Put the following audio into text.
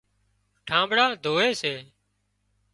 ٺانٻڙان ڌووي سي